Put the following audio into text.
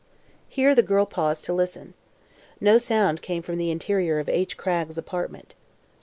Here the girl paused to listen. No sound came from the interior of H. Cragg's apartment.